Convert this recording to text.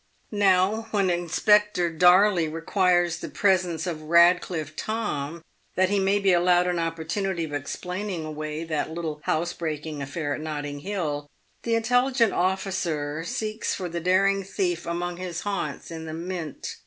Now, when Inspector Darley requires the presence of Radcliff Tom, that he may be allowed an opportunity of explaining away that little house breaking affair at Notting hill, the intelligent officer seeks for the daring thief among his haunts in the Mint.